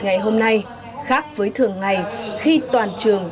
ngày hôm nay khác với thường ngày khi toàn trường